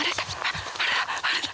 あれだ！